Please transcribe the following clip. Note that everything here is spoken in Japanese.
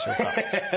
ハハハハ。